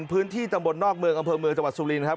พื้นที่ตำบลนอกเมืองอำเภอเมืองจังหวัดสุรินครับ